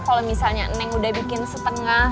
kalau misalnya neng udah bikin setengah